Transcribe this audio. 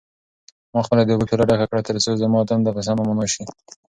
ما خپله د اوبو پیاله ډکه کړه ترڅو زما تنده په سمه ماته شي.